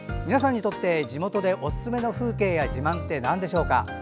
皆さんにとって地元でおすすめの風景や自慢ってなんでしょうか？